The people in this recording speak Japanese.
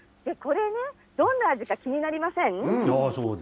これにどんな味か気になりません？